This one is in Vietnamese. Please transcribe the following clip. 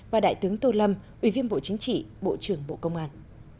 và đại tướng tô lâm ubnd bộ trưởng bộ công an